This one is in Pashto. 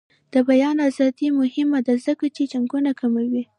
د بیان ازادي مهمه ده ځکه چې جنګونه کموي.